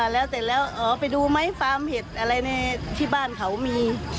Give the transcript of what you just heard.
อ๋อแล้วแต่แล้วอ๋อไปดูไหมฟาร์มเห็ดอะไรเนี่ยที่บ้านเขามี